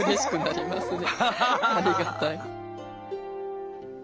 ありがたい。